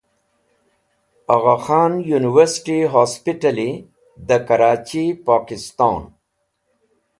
Agha Khan University Hospitali de Karach Pokiston